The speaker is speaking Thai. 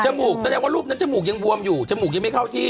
มูกแสดงว่ารูปนั้นจมูกยังบวมอยู่จมูกยังไม่เข้าที่